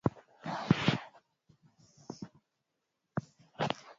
vile ma election presidentielle mwanamke ata vivile anaweza